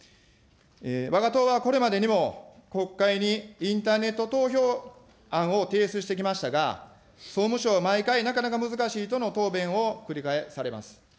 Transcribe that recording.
わが党は、これまでにも国会にインターネット投票案を提出してきましたが、総務省は毎回、なかなか難しいとの答弁を繰り返されます。